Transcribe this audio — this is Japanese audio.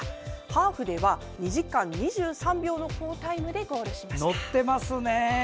ハーフでは２時間２３秒の好タイムでゴールしました。